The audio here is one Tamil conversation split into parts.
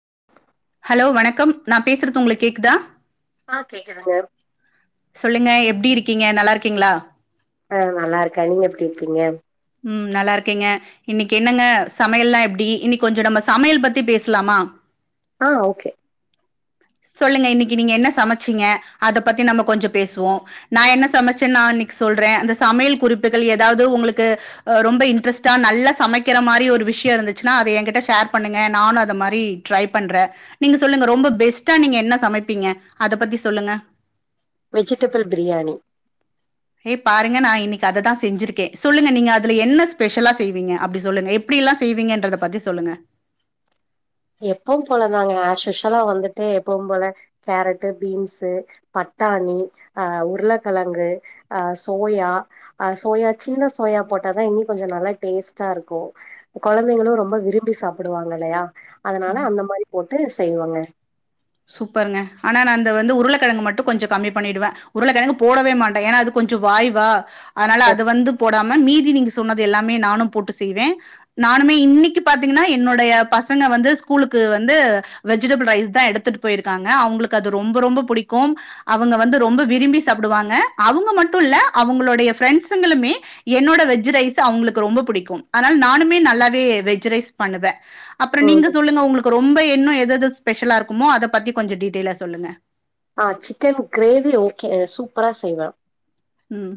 ம் ஹலோ வணக்கம் நான் பேசுறது உங்களுக்கு கேக்குதா ஆ கேக்குதுங்க சொல்லுங்க எப்டி இருக்கீங்க நல்லா இருக்கீங்களா ஆ நல்லா இருக்கேன் நீங்க எப்படி இருக்கீங்க ம் நல்லா இருக்கேங்க இன்னைக்கு என்னங்க சமையல்லாம் எப்டி இன்னைக்கு கொஞ்சம் நம்ம சமையல் பத்தி பேசலாமா ஆ ஓகே சொல்லுங்க இன்னைக்கு நீங்க என்ன சமைச்சீங்க அத பத்தி நம்ம கொஞ்சம் பேசுவோம் நான் என்ன சமைச்சேன்னு நான் இன்னைக்கு சொல்றேன் அந்த சமையல் குறிப்புகள் ஏதாவது உங்களுக் கு ரொம்ப இன்டரஸ்டா நல்லா சமைக்கிற மாதிரி ஒரு விஷயம் இருந்துச்சுன்னா அத ஏன்கிட்ட ஷேர் பண்ணுங்க நானும் அத மாதிரி ட்ரை பண்றேன் நீங்க சொல்லுங்க ரொம்ப பெஸ்டா நீங்க என்ன சமைப்பீங்க அத பத்தி சொல்லுங்க வெஜிடபிள் பிரியாணி ஏய் பாருங்க நான் இன்னைக்கு அதைதான் செஞ்சிருக்கேன் சொல்லுங்க நீங்க அதுல என்ன ஸ்பெஷலா செய்வீங்க அப்படி சொல்லுங்க எப்டி எல்லாம் செய்வீங்கன்றத பத்தி சொல்லுங்க எப்பவும் போலதாங்க அஸ் யூஷுவல்லா வந்துட்டு எப்பவும் போல கேரட்டு பீன்ஸ்ஸு பட்டாணி அ உருளைக்கிழங்கு அ சோயா அ சோயா சின்ன சோயா போட்டாதான் இன்னும் கொஞ்சம் நல்லா டேஸ்ட்டா இருக்கும் குழந்தைங்களும் ரொம்ப விரும்பி சாப்பிடுவாங்க இல்லையா அதனால அந்த மாரி போட்டு செய்வோங்க சூப்பருங்க ஆனா நான் அந்த வந்து உருளைக்கிழங்கு மட்டும் கொஞ்சம் கம்மி பண்ணிடுவேன் உருளைக்கிழங்கு போடவே மாட்டேன் ஏன்னா அது கொஞ்சம் வாய்வா அதனால அது எஸ் வந்து போடாம மீதி நீங் சொன்னது எல்லாமே நானும் போட்டு செய்வேன் நானுமே இன்னைக்கு பாத்தீங்கன்னா என்னுடைய பசங்க வந்து ஸ்கூலுக்கு வந்து வெஜிடபிள் ரைஸ் தான் எடுத்து எடுத்துட்டு போயிருக்காங்க அவங்களுக்கு அது ரொம்ப ரொம்ப புடிக்கும் அவங்க வந்து ரொம்ப விரும்பி சாப்பிடுவாங்க அவங்க மட்டும் இல்ல அவங்களுடைய பிரெண்ட்ஸ்களுமே என்னோட வெஜ் ரைஸ் அவங்களுக்கு ரொம்ப பிடிக்கும் அதனால நானுமே நல்லாவே வெஜ் ரைஸ் பண்ணுவேன் அப்புறம் நீங்க ம் சொல்லுங்க உங்களுக்கு ரொம்ப என்னது எதாது ஸ்பெஷலா இருக்கும் மோ அதை பத்தி கொஞ்சம் டீட்டெயிலா சொல்லுங்க ஆஹ் சிக்கன் கிரேவி ஓகே சூப்பரா செய்வேன் உம்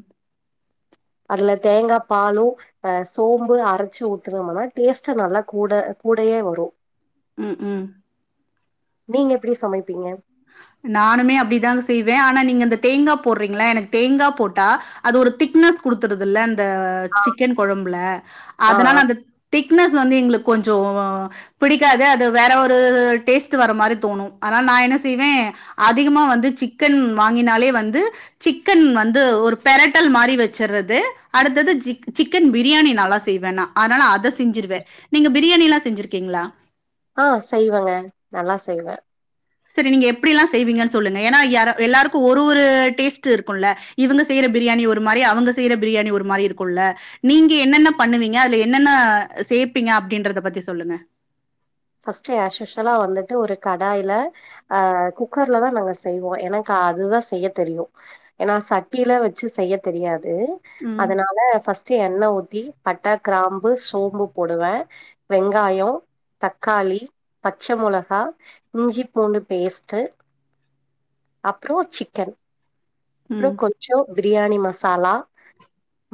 அதுல தேங்காய் பாலும் அஹ் சோம்பு அரைச்சு ஊத்துனமுனா டேஸ்ட்ட் நல்லா கூட கூடயே வரும் உம் உம் நீங்க எப்படி சமைப்பீங்க நானுமே அப்படிதான் செய்வேன் ஆனா நீங்க அந்த தேங்காய் போடுறீங்களா எனக்கு தேங்காய் போட்டா அது ஒரு திக்னஸ் கொடுடுத்தறது இல்ல அ ஆ சிக்கன் கொழம்புல ஆ அதனால அந்த திக்னஸ் வந்து எங்களுக்கு கொஞ்சம் பிடிக்காது அது வேற ஒரு டேஸ்ட் வர மாரி தோணும் அதனால் நான் என்ன செய்வேன் அதிகமா வந்து சிக்கன் வாங்கினாலே வந்து சிக்கன் வந்து ஒரு பெரட்ல் மாரி வச்சரது அடுத்தது சிக்கன் பிரியாணி நல்லா செய்வேன் அதனால செஞ்சருவேன் நீங்க பிரியாணி எல்லா செஞ்சுருக்கீங்களா ஆஹ் செய்வேங்க நல்லா செய்வேன் சரி நீங்க எப்டிலாம் செய்வீங்கன்னு சொல்லுங்க ஏன்னா யார எல்லாருக்கும் ஒரு ஒரு டேஸ்ட் இருக்குல இவங்க செய்ற பிரியாணி ஒரு மாரி அவங்க செய்ற பிரியாணி ஒரு மாரி இருக்குல நீங்க என்னென்ன பண்ணுவீங்க அதுல என்னென்ன சேப்பீங்க அப்டின்றத பத்தி சொல்லுங்க ஃபர்ஸ்ட் அஷ்யுஷ்வலா வந்துட்டு ஒரு கடாய்ல ஆஹ் குக்கர்ல தான் நாங்க செய்வோம் எனக்கு அதுதான் செய்ய தெரியும் ஏனா சட்டியில வச்சு செய்ய தெரியாது து ம், அதனால ஃபர்ஸ்ட்டு எண்ணெய் ஊத்தி ஊத்தி பட்டா கிராம்பு சோம்பு போடுவேன் வெங்காயோம் தக்காளி பச்ச மொளகா இஞ்சி பூண்டு பேஸ்ட்டு அப்ரோம் சிக்கன் அப்றோம் ம், கொஞ்சோம் பிரியாணி மசாலா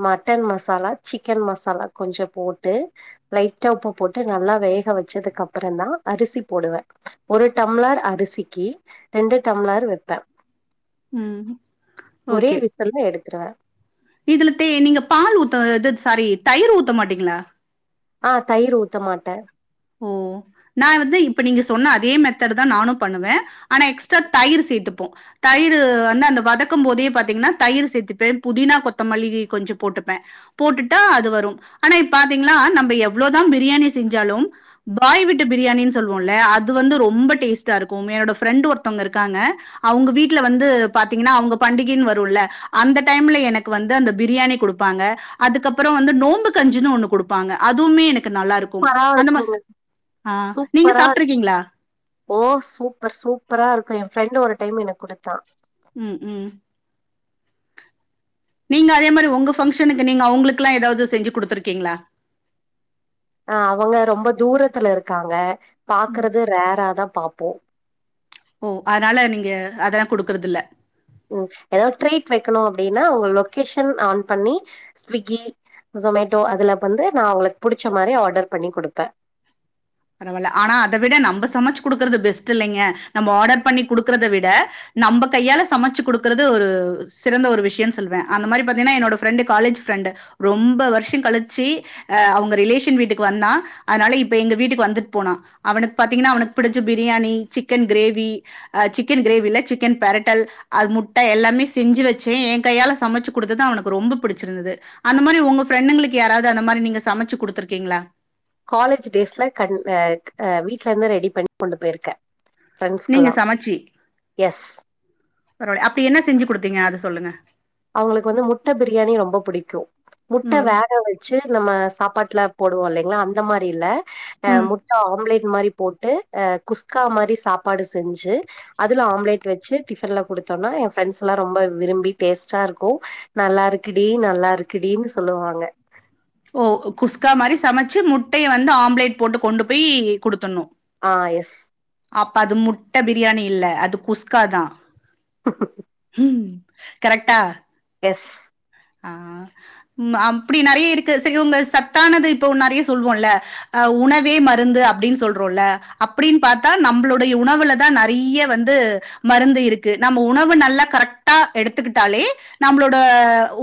மட்டன் மசாலா சிக்கன் மசாலா கொஞ்சோம் போட்டு லைட்டா உப்பு போட்டு நல்லா வேக வச்சதுக்கு அப்றோம் தான் அரிசி போடுவேன் ஒரு டம்ளர் அரிசிக்கு ரெண்டு டம்ளர் வைப்பேன் ஹும் ஓகே எடுத்துருவே இதுல தே நீங்க பால் ஊத்தாதது சாரி தயிர் ஊத்த மாட்டீங்ளா ஆஹ தயிர் ஊத்த மாட்டேன் ஓ நான் வந்து இப்ப நீங்க சொன்ன அதே மெத்தடு தான் நானும் பண்ணுவேன் ஆனா எக்ஸ்ட்ரா தயிர் சேத்துபேன் தயிரும் வந்து அந்த வதக்கும் போதே பாத்தீங்கன்னா தயிர் சேர்த்துப்பேன் புதினா கொத்தமல்லி கொஞ்சோ போட்டுப்பேன் போட்டுட்டா அது வரும் ஆனா இப்ப பாத்தீங்ன்னா நம்ம எவ்ளோதான் பிரியாணி செஞ்சாலும் பாய் வீட்டு பிரியாணினு சொல்லுவோம்ல அது வந்து ரொம்ப டேஸ்ட்டா இருக்கும் என்னோட ஃப்ரெண்ட் ஒருத்தவங்க இருக்காங்க அவங்க வீட்டுல வந்து பாத்தீங்ன்னா அவங்க பண்டிகைன்னு வரும்ல அந்த டைம்ல எனக்கு வந்து அந்த பிரியாணி குடுப்பாங்க அதுக்கப்பறோம் வந்து நோம்பு கஞ்சுன்னு ஒண்ணு குடுப்பாங்க அதுவுமே எனக்கு நல்லா இருக்கும் சூப்பரா அந்த மாதிரி இருக்குங்க ஆஹ் நீங்க சூப்பரா இருக்கு சாப்ட்ருக்கீங்களா ஓ சூப்பர் சூப்பரா இருக்கும் என் ஃப்ரெண்டு ஒரு டைம் எனக்கு குடுத்தான் ம் ம் நீங்க அதே மாரி உங்க பங்ஷனுக்கு நீங்க அவுங்ளுக்குல்லா எதாவது செஞ்சி குடுத்துருக்கீங்களா அ அவுங்க ரொம்ப தூரத்துல இருக்காங்க ம் பாக்குறது ரேர் ஆ தா பாப்போ ஓ அனால நீங்க அதெல்லா குடுக்கறது இல்ல ம் ஏதாது ட்ரீட் வைக்கணு அப்பிடின்னா உங்க லொகேஷன் ஆன் பண்ணி ஸ்விக்கி ஷோமேட்டோ அதுல வந்து நா உங்களுக்கு புடிச்ச மாரி ஆடர் பண்ணி குடுப்பே பரவால ஆனா அத விட நம்ம சமைச்சி குடுக்கறது பெஸ்ட் இல்லிங்க நம்ம ஆர்டர் பண்ணி குடுக்குறத விட நம்ப கையால சமச்சி குடுக்கறது ஒரு சிறந்த ஒரு விஷ்யன்னு சொல்லுவே அந்த மாரி பாத்தீன்னா என்னோட ஃப்ரெண்டு காலேஜ் ஃப்ரெண்டு ரொம்ப வருஷோ கழிச்சி அ அவுங்க ரிலேஷன் வீட்டுக்கு வந்தா அனால இப்ப எங்க வீட்டுக் ப் வந்துட் போனா அவனுக் பாத்தீங்கன்னா அவனுக்கு பிடிச்ச பிரியாணி சிக்கன் ஃகிரேவி அ சிக்கன் கிரேவில்ல சிக்கன் பெரட்டல் அ முட்ட எல்லாமே செஞ்சிவச்சே ஏ கையால சமைச்சி குடுத்தது அவனுக்கு ரொம்ப பிடிச்சிருந்தது அந்த மாரி உங்க ஃபரெண்டுங்ளுக்கு யாராது அந்த மாரி நீங்க சமச்சி குடுத்திருக்கீங்களா காலேஜ் டேய்ஸ்ல கண் எ க வீட்லருந்து ரெடி பண்ணி கொண்டு போய்ருக்கே ஃப்ரெண்ட்ஸ்க்கு நீங்க எல்லா சமைச்சு. எஸ் பராவால அப்பிடி என்ன செஞ்சி குடுத்தீங்க அது சொல்லுங்க அவுங்ளுக்கு வந்து முட்ட பிரியாணி ரொம்ப புடிக்கு முட்ட ம் வேக வச்சி நம்ம சாப்பாட்ல போடுவோ இல்லைங்ளா அந்த மாரி இல்ல அ ம் முட்ட ஆம்லேட் இது மாரி போட்டு அ குஸ்கா மாரி சாப்பாடு செஞ்சி அதுல ஆம்லேட் வச்சி டிஃபன்ல குடுத்தோன்னா ஏ ஃப்ரெண்ட்ஸ்ல்லா ரொம்ப விரும்பி டேஸ் ச்சாருக்கு நல்லா இருக்குடி நல்லா இருக்குடின்னு சொல்லுவாங்க ஓ குஸ்கா மாரி சமச்சி முட்டய வந்து ஆம்லேட் போட்டு கொண்டு போய் குடுத்துணு ஆ எஸ் அப்ப அது முட்ட பிரியாணி இல்ல அது குஸ்காதா ம் கரெக்டா எஸ் ஆ ம் அப்பிடி நெறைய இருக்கு சரி உங்க சத்தானது இப்ப நெறைய சொல்லுவோல்ல ஆ உணவே மருந்து அப்பிடின் சொல்றோல்ல அப்பிடின் பாத்தா நம்மளுோடைய உணவுலதா நெறைய வந்து மருந்து இருக்கு நம்ம உணவு நல்லா கரெக்டா எடுத்துக்கிட்டாலே நம்மளோட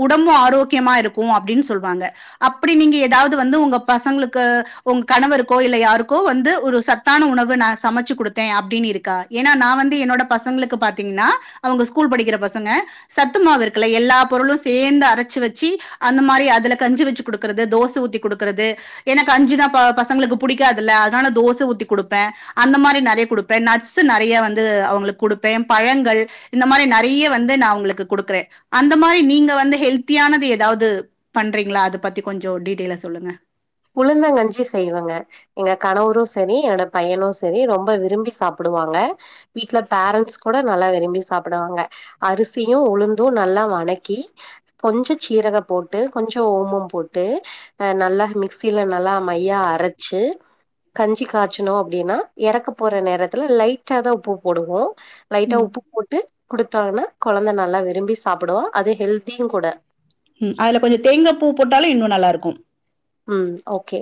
உடம்பு ஆரோக்கியமா இருக்கு அப்பிடின் சொல்லுவாங்க அப்பிடி நீங்க ஏதாவது வந்து உங்க பசங்களுக்கு உங்க கணவருக்கோ இல்ல யாருக்கோ வந்து ஒரு சத்தான உணவு நா சமைச்சி குடுத்தே அப்பிடின், இருக்கா ஏன்னா நா வந்து என்னோட பசங்களுக்கு பாத்தீங்கன்னா அவுங்க ஸ்கூல் படிக்கிற பசங்க சத்தமாவு இருக்கல எல்லா பொருளு சேந்து அரச்சி வச்சி அந்த மாரி அதுல கஞ்சி வச்சி குடுக்கறது தோச ஊத்தி குடுக்கறது எனக்கு அஞ்சிதப்பா பசங்களுக்கு புடிக்கதுல்ல அதனால தோச ஊத்தி குடுப்பே அந்த மாரி நெறைய குடுப்பே நட்ஸ் நெறைய வந்து அவுங்களுக்கு குடுப்பே பழங்கள் இந்த மாரி நெறைய வந்து நா உங்களுக்கு குடுக்குறே அந்த மாரி நீங்க வந் வந்து ஹெல்த்தியானது ஏதாவது பண்றீங்களா அத பத்தி கொஞ்சோ டீட்டெயில்லா சொல்லுங்க உளுந்தங்கஞ்சி செய்வங்க எங்க கணவரு சரி எட பையனு சரி ரொம்ப விரும்பி சாப்பிடுவாங்க வீட்ல பேரண்ஸ் கூட நல்ல விரிபி சாப்பிடுவாக அரிசியு உளுந்து நல்ல வதக்கி கொஞ்ச சீரக போட்டு கொஞ்சோ ஓமம் போட்டு நல்லா மிக்ஸ் சில நல்லா மையா அரச்சி கஞ்சி காய்ச்சனோ அப்பிடின்னா இறக்க போற நேரத்துல லைட்டாதா உப்பு போடுவோ லைட்டா ம் உப்பு போட்டு குடுத்தாங்கனா கொழந்த நல்லா விரும்பி சாப்புடு அது ஹெல்தியு கூட ம் அதுல கொஞ்ச தேங்க பூ போட்டாலு இன்னு நல்லா இருக்கு ம் ஓகே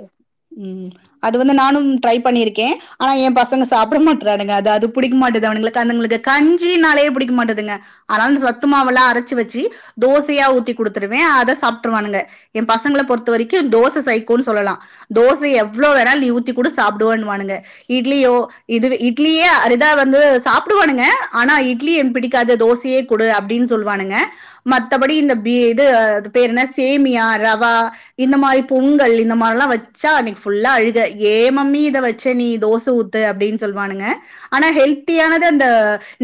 ம் அது வந்து நானு ட்ரை பண்ணிருக்கே ஆனா ஏ பசங்க சாப்பிட மாட்டறானுங்க அது அது புடிக்கமாட்டுது அவுனுங்களுக்கு அதுங்களுக்கு கஞ்சினாலயே புடிக்க மாட்டுதுங்க ஆனால சத்து மாவெல்லா அரச்சி வச்சி தோசயா ஊத்தி குடுத்துருவே அத சாப்புட்டுருவானுங்க ஏ பசங்கள பொறுத்த வரைக்கு தோச சைகோன்னு சொல்லா தோச எவ்ளோ வேண்ணாலு நீ ஊத்தி குடு சாப்டுவேனுவானுங்க இட்லியோ இதுவே இட்லியே அது இதா வந்து சாப்புடுவானுங்க ஆனா இட்லி பிடிக்காது தோசையே குடு அப்டின்னு சொல்லுவானுங்க மத்தபடி இந்த பி இது அது பேரு என்ன சேமியா, ரவா இந்த மாரி பொங்கல் இந்த மாரில்லா வச் சா அன்னிக்கி ஃபுல்லா அழுக யேன் மம்மி இத வச்ச நீ தோச ஊத்து அப்டின்னு சொல்வானுங்க ஆனா ஹெல்த்தியானது அந்த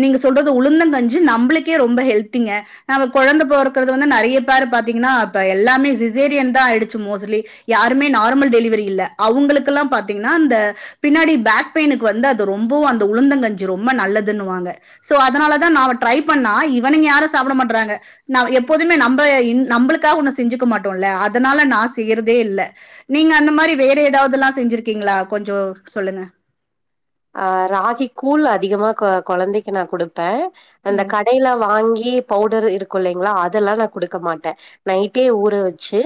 நீங்க சொல்றது உளுந்தங்கஞ்சி நம்பளுக்கே ரொம்ப ஹெல்திங்க நம்ப கொழந்த பொறக்குறது வந்து நெறைய பேர பாத்தீங்கனா இப்ப எல்லாமே சிசேரியன்தா ஆயிடுச்சு மோஸ்ட்லி யாருமே நார்மல் டெலி வரி இல்ல அவுங்களுக்கெல்லா பாத்தீங்கன்னா அந்த பின்னாடி பேக் பெயினுக்கு வந்து அது ரொம்பவு அந்த உளுந்தங்கஞ்சி ரொம்ப நல்லதுன்னுவாங்க சோ அதனாலதா நாம ட்ரை பண்ணா இவனுங்க யாரு சாப்பிட மாட்றாங்க நா எப்போதுமே நம்ப இன் நம்பளுக்காக ஒன்னு செஞ்சுக்க மாட்டோல்ல அதனால நா செய்யறதே இல்ல நீங்க அந்த மாரி வேற எதாவதெல்லா செஞ்சிருக்கீங்களா கொஞ்சோ சொல்லுங்க ஆ ராகி கூழ் அதிகமா கொ கொழந்தைக்கி நா குடு ப்பே அந்த ம் கடைல வாங்கி பவுடரு இருக்கு இல்லைங்களா அதெல்லா நா குடுக்க மாட்டே நைட்டே ஊற வச்சு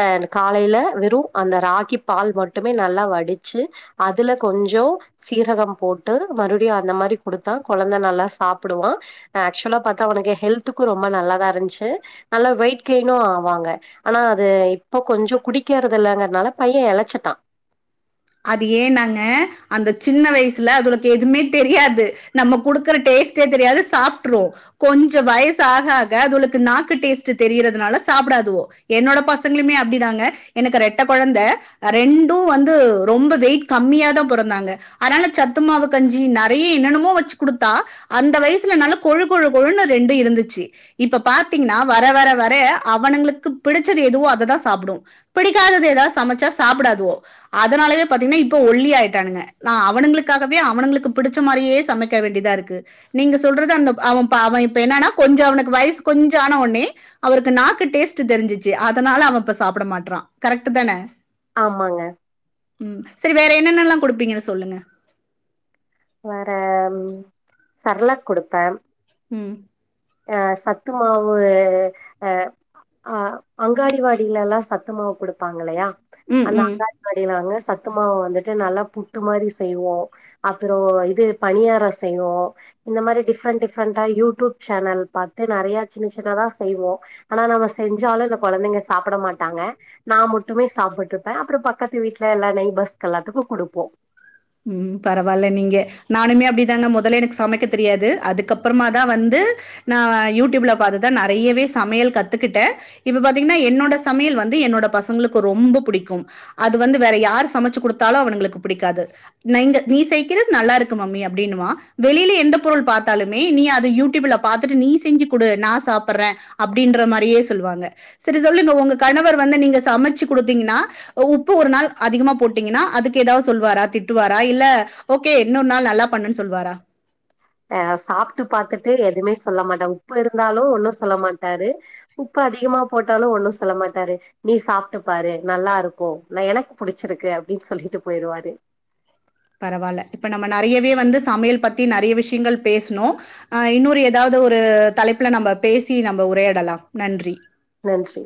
ஆ அந்த காலைல வெறு அந்த ராகி பால் மட்டுமே நல்லா வடிச்சு அதுல கொஞ்சோ சீரகம் போட்டு மறுபடியு அந்த மாரி குடுத்தா கொழந்த நல்லா சாப்புடுவா ஆ ஆக்சுவலா பாத்தா அவனுக்கு ஹெல்த்துக்கு ரொம்ப நல்லாதா இருந்துச்சு நல்லா வெயிட் கெயினு ஆவாங்க ஆனா அது இப்ப கொஞ்சோ குடிக்கறது இல்லைங்கறனால பைய எளச்சுட்டா அது ஏன்னாங்க அந்த சின்ன வயசுல அதுகளுக்கு எதுமே தெரியாது நம்ம குடுக்குற டேஸ்ட்டே தெரியாது சாப்ட்ரு கொஞ்ச வயசு ஆக ஆக அதுகளுக்கு நாக்கு டேஸ்ட்டு தெரியறதுனால சாப்டாதுவோ என்னோட பசங்களுமே அப்டிதாங்க எனக்கு ரெட்ட கொழந்த ரெண்டு வந்து ரொம்ப வெயிட் கம்மியாதா பொறந்தாங்க அதனால சத்துமாவு கஞ்சி நெறைய என்னன்னமோ வச்சு குடுத்தா அந்த வயசுல அதனால கொழு கொழு கொழுன்னு ரெண்டு இருந்துச்சு இப்ப பாத்தீங்கன்னா வர வர வர அவனுங்களுக்கு பிடிச்சது எதுவோ அததா சாப்புடு பிடிக்காதது எதாவது சமைச்சா சாப்படாதுவோ அதனாலவே பாத்தீங்கன்னா இப்ப ஒல்லி ஆயிட்டானுங்க நா அவனுங்களுக்காகவே அவனுங்களுக்கு பிடிச்ச மாரியே சமைக்க வேண்டியதா இருக்கு நீங்க சொல்றது அந்த அவ இப்ப அவ இப்ப என்னனா கொஞ்ச அவனுக்கு வயசு கொஞ்ச ஆன உட்னே அவருக்கு நாக்கு டேஸ்ட்டு தெரிஞ்சிச்சு அதனால அவ இப்ப சாப்பட மாட்றா கரெக்ட்டுதான ஆமாங்க ம் சரி வேற என்னென்னல்லா குடுப்பீங்கன்னு சொல்லுங்க வேற ம் செரலாக் குடுப்பே ம் ஆ சத்து மாவு ஆ ஆ அங்காடிவாடில எல்லா சத்து மாவு குடுப்பாங்க இல்லையா ம் அந்த ம் அங்காடிவாடிலதாங்க சத்துமாவ வந்துட்டு நல்லா புட்டு மாரி செய்வோ அ அப்புறோ இது பணியாரோ செய்வோ இந்த மாரி டிஃப்ரெண்ட் டிஃப்ரெண்டா யூடியூப் சேனல் பாத்து நெறைய சின்ன சின்னதா செய்வோ ஆனா நம்ம செஞ்சாலு இந்த கொழந்தைங்க சாப்பட மாட்டாங்க நா மட்டுமே சாப்புட்ருப்பே அப்புறோ பக்கத்து வீட்ல எல்லா நெய்பர்ஸ்க்கு எல்லாத்துக்கு குடுப்போ ம் பரவால்ல நீங்க நானுமே அப்டிதாங்க மொதல்ல எனக்கு சமைக்க தெரியாது அதுக்கப்புறமாதா வந்து நா யூடியூப்ல பாத்துதா நெறையவே சமையல் கத்துக்கிட்டே இப்ப பாத்தீங்கன்னா என்னோட சமையல் வந்து என்னோட பசங்களுக்கு ரொம்ப பிடிக்கும் அது வந்து வேற யாரு சமைச்சு குடுத்தாலு அவனுங்களுக்கு பிடிக்காது நீங்க நீ செய்க்கிறது நல்லா இருக்கு மம்மி அப்டின்னுவா வெளில எந்த பொருள் பாத்தாலுமே நீ அத யூடியூப்ல பாத்துட்டு நீ செஞ்சு குடு நா சாப்பட்றே அப்டின்ற மாரியே சொல்லுவாங்க செரி சொல்லுங்க உங்க கணவர் வந்து நீங்க சமைச்சு குடுத்தீங்கன்னா ஒ உப்பு ஒரு நாள் அதிகமா போட்டீங்கன்னா அதுக்கு ஏதாவது சொல்வாரா திட் டுவாரா இல்ல ஓகே இன்னொரு நாள் நல்லா பண்ணுன்னு சொல்வாரா ஆ சாப்ட்டு பாத்துட்டு எதுமே சொல்ல மாட்டா உப்பு இருந்தாலு ஒண்ணு சொல்ல மாட்டாரு உப்பு அதிகமா போட்டாலு ஒண்ணு சொல்ல மாட்டாரு நீ சாப்ட்டு பாரு நல்லா இருக்கு நா எனக்கு புடிச்சிருக்கு அப்டின்னு சொல்லிட்டு போயிருவாரு பரவால்ல இப்ப நம்ம நெறையவே வந்து சமையல் பத்தி நெறைய விஷயங்கள் பேசுனோ ஆ இன்னொரு எதாவது ஒரு தலைப்புல நம்ப பேசி நம்ப உரையாடலா நன்றி நன்றி